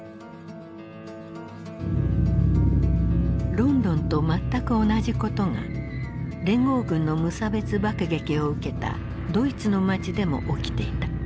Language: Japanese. ロンドンと全く同じことが連合軍の無差別爆撃を受けたドイツの街でも起きていた。